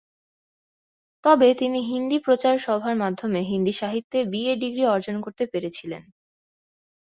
তবে তিনি হিন্দি প্রচার সভার মাধ্যমে হিন্দি সাহিত্যে বিএ ডিগ্রি অর্জন করতে পেরেছিলেন।